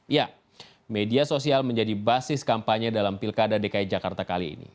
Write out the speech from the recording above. ya media sosial menjadi basis kampanye dalam pilkada dki jakarta kali ini